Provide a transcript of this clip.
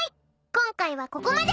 今回はここまで。